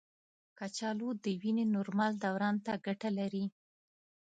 کچالو د وینې نورمال دوران ته ګټه لري.